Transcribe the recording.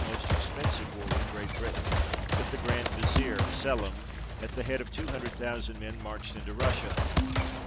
29 expensive war with Great Britain, that the Grand Vizier, Selim, at the head of two hundred thousand men marched into Russia.